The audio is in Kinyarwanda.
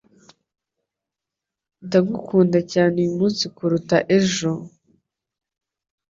Ndagukunda cyane uyu munsi kuruta ejo,